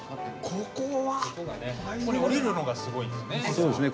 ここに降りるのがすごいんですね。